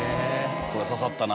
これ刺さったな。